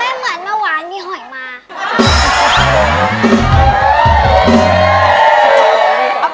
เหมือนเมื่อวานมีหอยมา